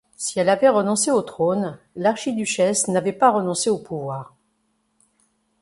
Si elle avait renoncé au trône, l'archiduchesse n'avait pas renoncé au pouvoir.